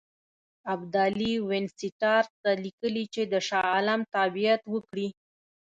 ابدالي وینسیټارټ ته لیکلي چې د شاه عالم تابعیت وکړي.